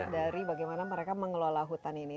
dari bagaimana mereka mengelola hutan ini